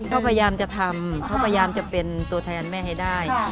เขาพยายามจะทำเขาพยายามจะเป็นตัวแทนแม่ให้ได้